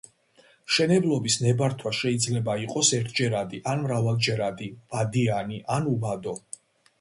მშენებლობის ნებართვა შეიძლება იყოს ერთჯერადი ან მრავალჯერადი, ვადიანი ან უვადო.